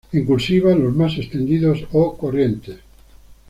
En "cursiva", los más extendidos o corrientes.